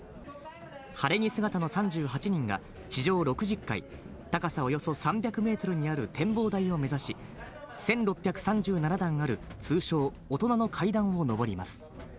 晴れ着姿の３８人が地上６０階、高さおよそ３００メートルにある展望台を目指し、１６３７段ある通称・大人の階段をのぼります。